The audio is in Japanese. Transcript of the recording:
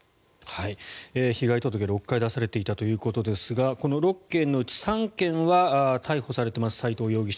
被害届、６回出されていたということですがこの６件のうち３件は逮捕されています斎藤容疑者。